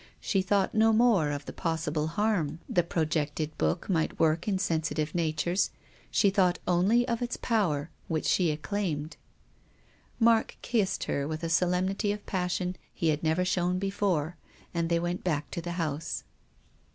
She thought no more of the possible harm the pro 138 TONGUES OF CONSCIENCE. jccted book might work in sensitive natures. She thought only of its power, which she acclaimed. .Mark kissed her with a solemnity of passion he had never shown before, and they went back to the house.